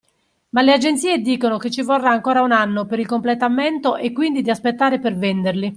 Ma le agenzie dicono che ci vorrà ancora un anno per il completamento e quindi di aspettare per venderli.